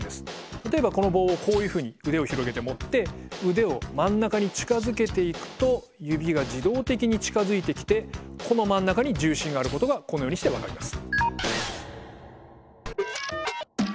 例えばこの棒をこういうふうに腕を広げて持って腕を真ん中に近づけていくと指が自動的に近づいてきてこの真ん中に重心があることがこのようにして分かります。